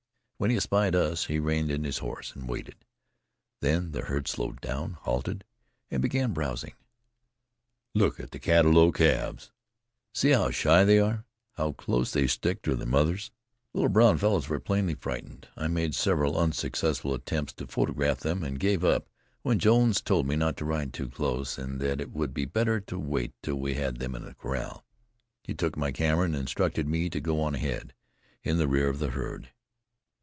When he espied us he reined in his horse and waited. Then the herd slowed down, halted and began browsing. "Look at the cattalo calves," cried Jones, in ecstatic tones. "See how shy they are, how close they stick to their mothers." The little dark brown fellows were plainly frightened. I made several unsuccessful attempts to photograph them, and gave it up when Jones told me not to ride too close and that it would be better to wait till we had them in the corral. He took my camera and instructed me to go on ahead, in the rear of the herd.